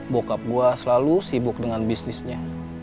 bokap gue selalu sibuk dengan bisnisnya